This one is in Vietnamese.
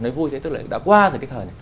nói vui thế tức là đã qua từ cái thời này